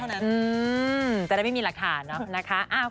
อืมจะได้ไม่มีรักษานะคะ